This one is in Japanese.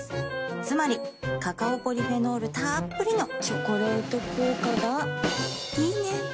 つまりカカオポリフェノールたっぷりの「チョコレート効果」がいいね。